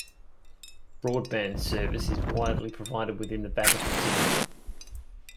Broadband service is widely provided within Vatican City.